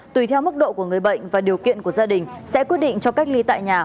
tùy theo mức độ của người bệnh và điều kiện của gia đình sẽ quyết định cho cách ly tại nhà